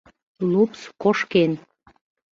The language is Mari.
Лупс кошкен.